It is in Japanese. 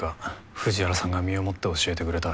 藤原さんが身をもって教えてくれた。